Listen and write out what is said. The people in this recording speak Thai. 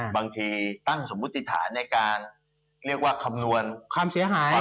บางทีตั้งสมมุติฐานในการเรียกว่าคำนวณความเสียหาย